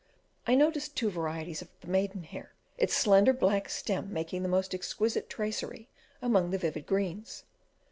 I noticed two varieties of the maiden hair, its slender black stem making the most exquisite tracery among the vivid greens.